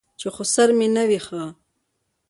چې خسر مې نه وي ښه.